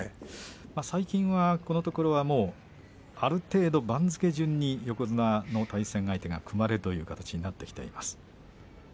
最近は、このところはある程度番付順に横綱の対戦相手が組まれるという形になってきています。